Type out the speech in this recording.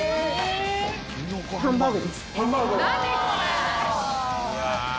ハンバーグ！